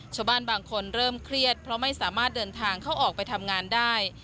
ชาวบ้านบางคนเริ่มเครียดเพราะไม่สามารถเดินทางเข้าออกไปทำงานได้